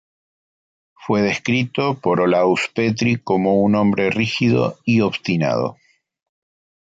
Fue descrito por Olaus Petri como un hombre rígido y obstinado.